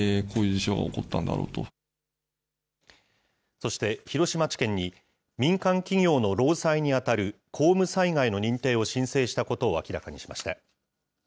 そして広島地検に、民間企業の労災に当たる公務災害の認定を申請したことを明らかにしました。